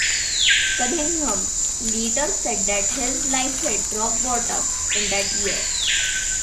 Cunningham later said that his life hit "rock-bottom" in that year.